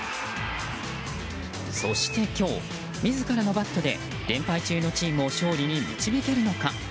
そして今日、自らのバットで連敗中のチームを勝利に導けるのか。